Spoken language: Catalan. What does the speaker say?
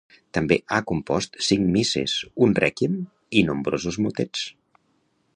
També ha compost cinc misses, un rèquiem i nombrosos motets.